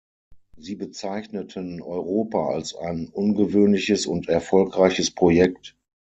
Sie bezeichneten Europa als ein ungewöhnliches und erfolgreiches Projekt.